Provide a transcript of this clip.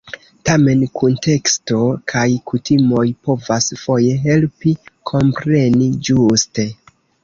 Tamen, kunteksto kaj kutimoj povas foje helpi kompreni ĝuste.